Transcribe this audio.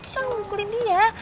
jangan mukulin dia